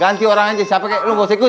ganti orang aja siapa kayak lu mau ikut